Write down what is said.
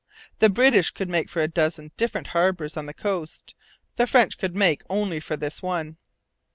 The British could make for a dozen different harbours on the coast. The French could make for only this one.